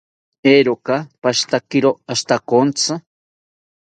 Eeroka pashitakiro ashitakontzi